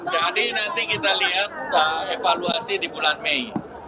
jadi nanti kita lihat evaluasi di bulan mei